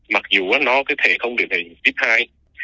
mặc dù nó có thể không được hình tiếp thai